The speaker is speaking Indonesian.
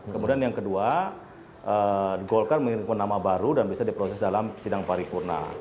kemudian yang kedua golkar mengirimkan nama baru dan bisa diproses dalam sidang paripurna